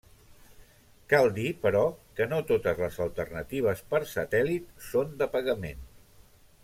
Cal dir, però, que no totes les alternatives per satèl·lit són de pagament.